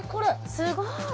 すごーい